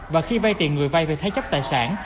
và khi vay tiền người vay về thế chấp tài sản